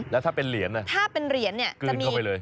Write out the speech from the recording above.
แล้วถ้าเป็นเหรียญคืนเข้าไปเลยถ้าเป็นเหรียญจะมี